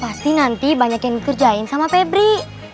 pasti nanti banyak yang dikerjain sama pebri